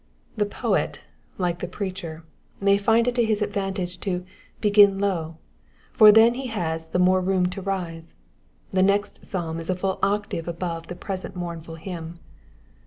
The poet, like the preacher, may find it to his advantage to "begin low," for then he has the more room to rise: the next psalm is a full octave above the present mournful hymn.